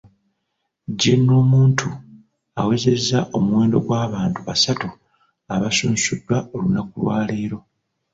General Muntu awezezza omuwendo gw'abantu basatu abasunsuddwa olunaku lwaleero,